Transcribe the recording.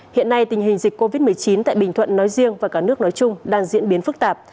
hiện nay tình hình dịch covid một mươi chín tại bình thuận nói riêng và cả nước nói chung đang diễn biến phức tạp